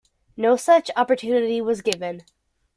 No such opportunity was given.